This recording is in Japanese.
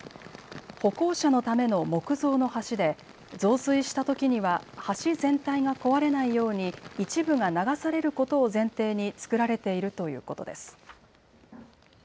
歩行者のための木造の橋で増水したときには橋全体が壊れないように一部が流されることを前提に造られているということです。